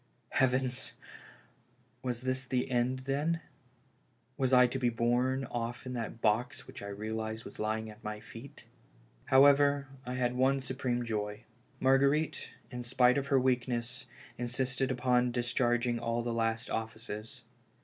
Heavens! was this the end, then? Was I to be borne oft* in that box which I realized was lying at my feet? However, I had one supreme joy. Marguerite, in spite of her weakness, insisted upon discharging all the last offices.